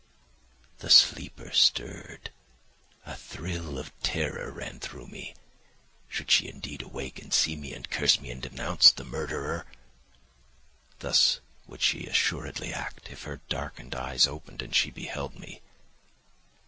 "The sleeper stirred; a thrill of terror ran through me. Should she indeed awake, and see me, and curse me, and denounce the murderer? Thus would she assuredly act if her darkened eyes opened and she beheld me.